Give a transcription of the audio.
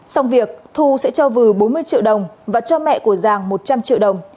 xong việc thu sẽ cho vừ bốn mươi triệu đồng và cho mẹ của giang một trăm linh triệu đồng